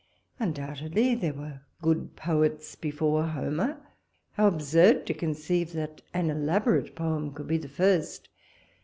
Undoubtedly there were good poets before Homer; how absurd to conceive that an elaborate poem could be the first!